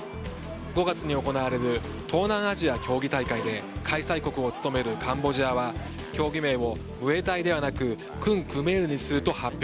５月に行われる東南アジア競技大会で開催国を務めるカンボジアは競技名をムエタイではなくクンクメールにすると発表。